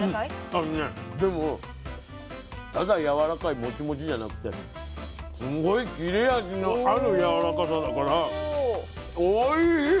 あのねでもただやわらかいモチモチじゃなくてすんごい切れ味のあるやわらかさだからおいしい！